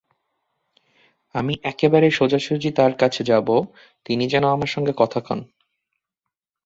আমি একেবারে সোজাসুজি তাঁর কাছে যাব, তিনি যেন আমার সঙ্গে কথা কন।